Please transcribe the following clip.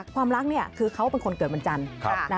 ความรักคือเขาเป็นคนเกิดวันจันทร์